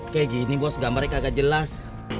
kayak gini bos gambarnya kagak jelas